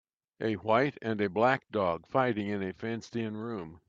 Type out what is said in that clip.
A white and a black dog fighting in a fenced in room.